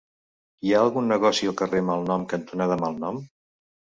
Hi ha algun negoci al carrer Malnom cantonada Malnom?